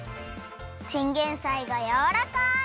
チンゲンサイがやわらかい！